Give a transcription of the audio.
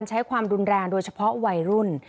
ใช้ความรุนแรงโดยเฉพาะวัยรุ่น